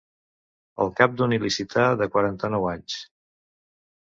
El cap d'un il·licità de quaranta-nou anys.